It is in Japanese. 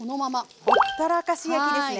ほったらかし焼きですね。